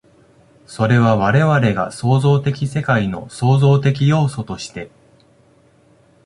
それは我々が創造的世界の創造的要素として、